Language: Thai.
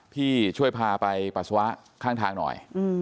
พี่ช่วยพาไปปัสสาวะข้างทางหน่อย